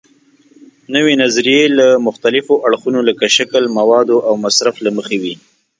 نوې نظریې له مختلفو اړخونو لکه شکل، موادو او مصرف له مخې وي.